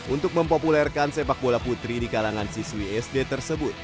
untuk mempopulerkan sepak bola putri di kalangan siswi sd tersebut